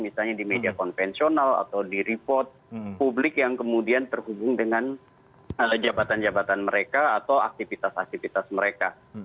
misalnya di media konvensional atau di report publik yang kemudian terhubung dengan jabatan jabatan mereka atau aktivitas aktivitas mereka